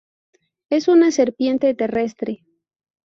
Es una serpiente terrestre.